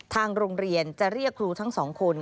ทางโรงเรียนจะเรียกครูทั้งสองคน